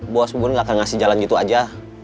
bos bungun gak akan ngasih jalan gitu aja